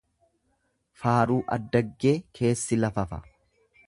Faaruu addaggee keessi lafafa.